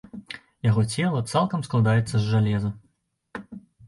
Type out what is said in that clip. Яго цела цалкам складаецца з жалеза.